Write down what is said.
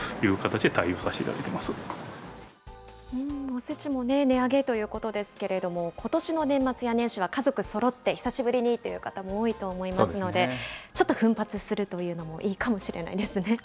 おせちも値上げということですけれども、ことしの年末や年始は、家族そろって久しぶりにという方も多いと思いますので、ちょっと奮発するというのもいいかもしれないです